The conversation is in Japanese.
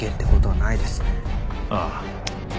ああ。